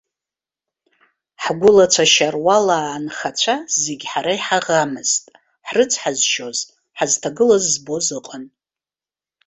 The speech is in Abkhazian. Ҳгәылацәа шьаруалаа анхацәа зегьы ҳара иҳаӷамызт, ҳрыцҳазшьоз, ҳазҭагылаз збоз ыҟан.